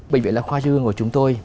bệnh viện lão khoa trung ương của chúng tôi